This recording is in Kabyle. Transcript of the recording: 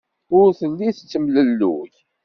Ur telli tettemlelluy.